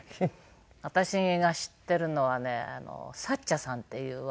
私が知ってるのはねサッチャさんっていうワンコがいて。